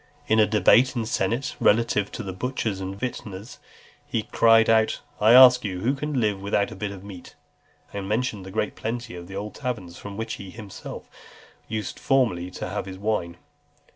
In a debate in the senate relative to the butchers and vintners, he cried out, "I ask you, who can live without a bit of meat?" And mentioned the great plenty of old taverns, from which he himself used formerly to have his wine.